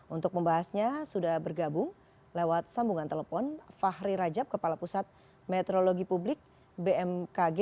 untuk membahasnya sudah bergabung lewat sambungan telepon fahri rajab kepala pusat meteorologi publik bmkg